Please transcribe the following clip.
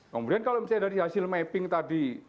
kemudian kalau misalnya dari hasil mapping tadi